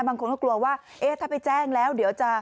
บางคนก็กลัวว่าเอ๊ะถ้าไปแจ้งแล้วเดี๋ยวจะ